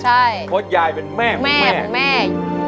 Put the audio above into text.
เพราะยายเป็นแม่ของแม่